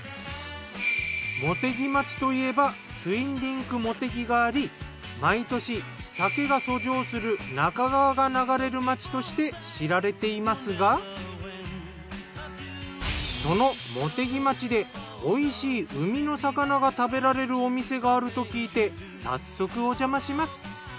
茂木町といえばツインリンクもてぎがあり毎年鮭が遡上する那珂川が流れる町として知られていますがその茂木町で美味しい海の魚が食べられるお店があると聞いて早速おじゃまします。